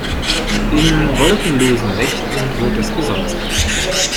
In wolkenlosen Nächten wird es besonders kalt.